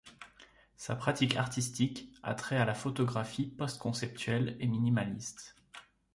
Sa pratique artistique a trait à la photographie post-conceptuelle et minimaliste.